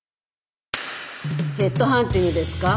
ヘッドハンティングですか？